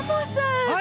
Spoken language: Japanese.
はい！